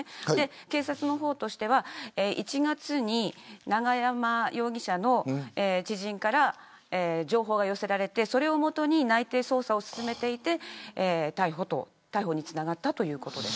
警察の方としては１月に永山容疑者の知人から情報が寄せられてそれを基に内偵捜査を進めていて逮捕につながったということです。